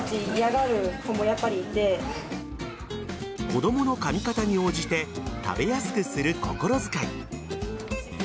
子供のかみ方に応じて食べやすくする心遣い。